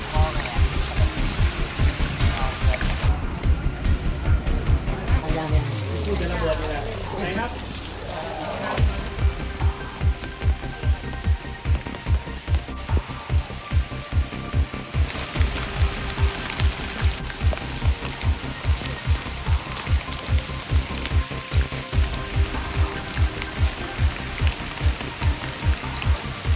มันเป็นอะไรข้างในอยากรู้